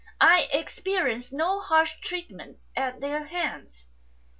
I experience no harsh treatment at their hands."